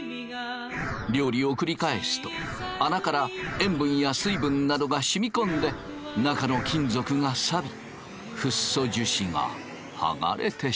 料理を繰り返すと穴から塩分や水分などがしみ込んで中の金属がさびフッ素樹脂がはがれてしまう。